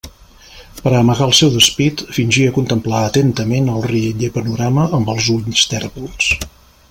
Per a amagar el seu despit, fingia contemplar atentament el rialler panorama amb els ulls tèrbols.